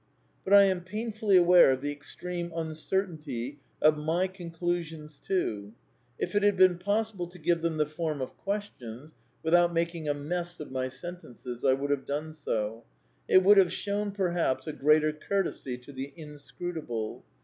But I am painfully aware of the extreme uncertainty of my " Conclusions " too. If it had been possible to give them the form of Questions, without making a mess of my sentences, I would have done so. It would have shown, perhaps, a greater courtesy to the Inscrutable.